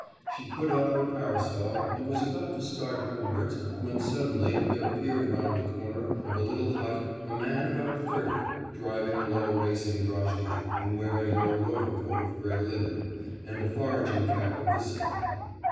She put up her parasol and was about to start homewards, when suddenly there appeared round the corner of a little hut a man about thirty, driving a low racing droshky and wearing an old overcoat of grey linen, and a foraging cap of the same.